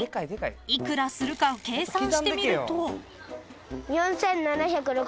［幾らするかを計算してみると］